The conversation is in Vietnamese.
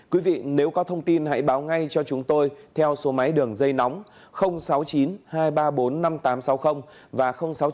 quý vị nếu có thông tin hãy báo ngay cho chúng tôi theo số máy đường dây nóng sáu mươi chín hai trăm ba mươi bốn năm nghìn tám trăm sáu mươi và sáu mươi chín hai trăm ba mươi một sáu trăm bảy